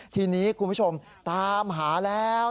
ทีนี้คุณผู้ชมตามหาแล้ว